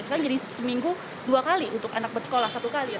sekarang jadi seminggu dua kali untuk anak bersekolah satu kali